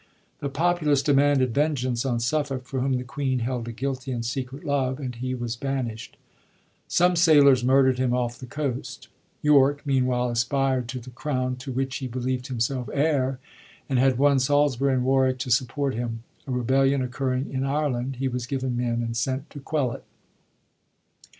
The populace demanded vengeance on Suffolk, for whom the queen held a guilty and secret love, and he was banisht. Some sailors murderd him off the coast. York, meanwhile, aspired to the crown to which he believd himself heir, and had won Salisbury and Warwick to support him ; a rebellion occurring in Ireland, he was given men and sent to quell it.